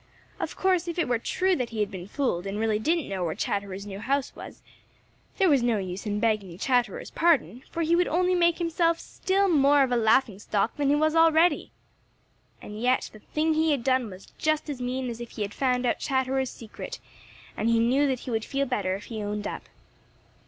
Of course, if it were true that he had been fooled and really didn't know where Chatterer's new house was, there was no use in begging Chatterer's pardon, for he would only make himself still more of a laughing stock than he was already. And yet the thing he had done was just as mean as if he had found out Chatterer's secret, and he knew that he would feel better if he owned up.